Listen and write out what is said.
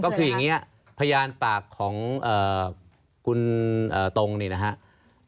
ก็คืออย่างนี้พยานปากของคุณตรงนี่นะครับ